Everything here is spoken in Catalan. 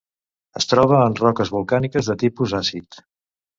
Es troba en roques volcàniques de tipus àcid.